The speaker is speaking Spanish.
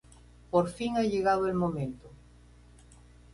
Por fin, ha llegado el momento.